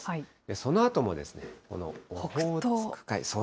そのあともこのオホーツク海。